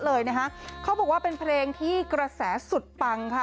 เลยนะคะเขาบอกว่าเป็นเพลงที่กระแสสุดปังค่ะ